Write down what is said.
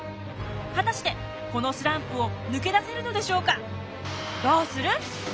果たしてこのスランプを抜け出せるのでしょうか？